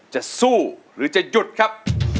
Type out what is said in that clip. จะสู้หรือจะหยุดครับ